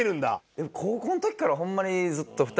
でも高校の時からホンマにずっと２人で。